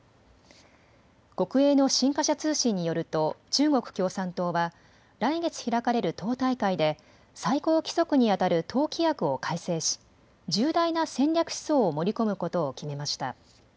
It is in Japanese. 国営の新華社通信によると中国共産党は来月開かれる党大会で最高規則にあたる党規約を改正し重大な戦略思想を盛り込むことを決めました。